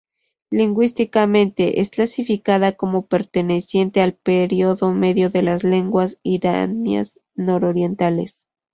Lingüísticamente, es clasificada como perteneciente al periodo medio de las lenguas iranias nororientales.